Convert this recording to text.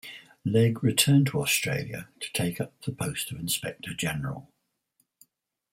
Legge returned to Australia to take up the post of Inspector General.